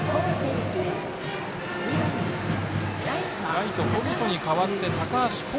ライト、小木曽に代わって高橋巧